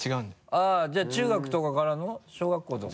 あぁじゃあ中学とかからの？小学校とか？